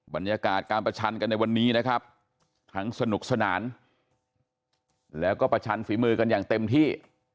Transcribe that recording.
บรรยากาศการประชันกันในวันนี้นะครับทั้งสนุกสนานแล้วก็ประชันฝีมือกันอย่างเต็มที่